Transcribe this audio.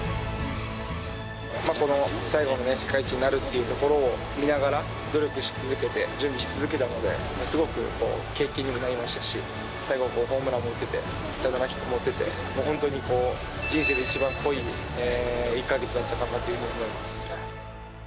この最後の世界一になるというところを見ながら、努力し続けて、準備し続けたので、すごくいい経験になりましたし、最後ホームランも打ててサヨナラヒットも打てて、本当にこう、人生で一番濃い１か月だったかなというふうに思います。